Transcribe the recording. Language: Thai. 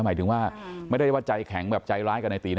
หมายถึงว่าไม่ได้ว่าใจแข็งแบบใจร้ายกับนายตีนะ